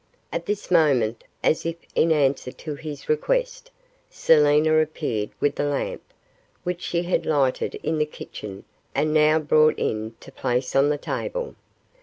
At this moment, as if in answer to his request, Selina appeared with the lamp, which she had lighted in the kitchen and now brought in to place on the table.